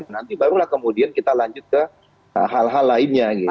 nanti barulah kemudian kita lanjut ke hal hal lainnya